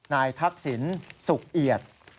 นายทักษิณสุกเอียด